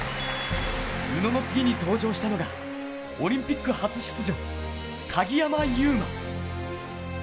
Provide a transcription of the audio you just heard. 宇野の次に登場したのが、オリンピック初出場、鍵山優真。